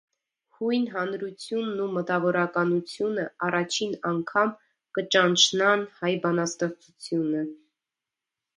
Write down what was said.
Յոյն հանրութիւնն ու մտաւորականութիւնը առաջին անգամ կը ճանչնան հայ բանաստեղծութիւնը։